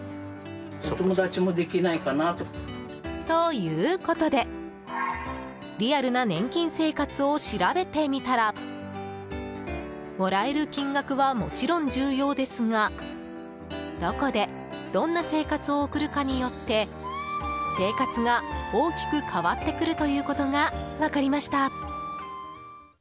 ということでリアルな年金生活を調べてみたらもらえる金額はもちろん重要ですがどこでどんな生活を送るかによって生活が大きく変わってくるということが分かりました。